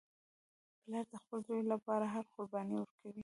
پلار د خپل زوی لپاره هره قرباني ورکوي